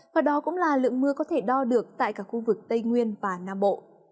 và đó cũng là lượng mưa có thể đo được tại cả khu vực tây nguyên và nam bộ